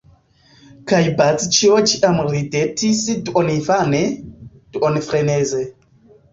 Kaj Bazĉjo ĉiam ridetis duoninfane, duonfreneze.